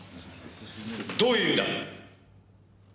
どういう意味だ？